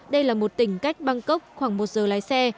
đây là một tỉnh cách bangkok khoảng một giờ lái xe